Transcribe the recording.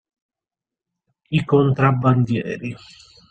I contrabbandieri.